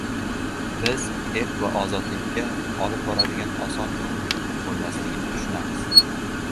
Biz erk va ozodlikka olib boradigan oson yo‘l bo‘lmasligini tushunamiz.